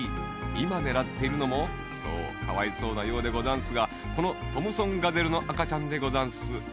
いまねらってるのもそうかわいそうなようでござんすがこのトムソンガゼルのあかちゃんでござんす。